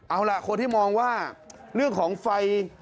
เอาล่ะคนที่มองว่าเรื่องของไฟ